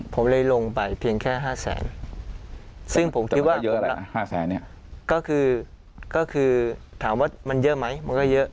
ผมเลยลงไปเพียงแค่๕แสนซึ่งผมคิดว่าเยอะแล้ว๕แสนเนี่ยก็คือถามว่ามันเยอะไหมมันก็เยอะ